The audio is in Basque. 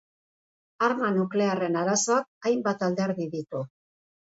Arma nuklearren arazoak hainbat alderdi ditu.